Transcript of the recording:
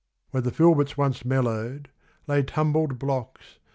Where the filberts once mellowed, lay tumbled blocks.